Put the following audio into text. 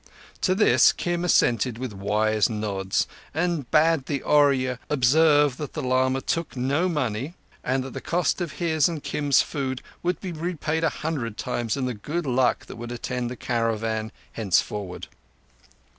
To this Kim assented with wise nods, and bade the Oorya observe that the lama took no money, and that the cost of his and Kim's food would be repaid a hundred times in the good luck that would attend the caravan henceforward.